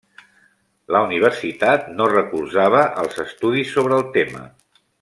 La universitat no recolzava els estudis sobre el tema.